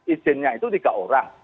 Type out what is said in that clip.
izinnya itu tiga orang